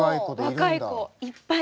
若い子いっぱい。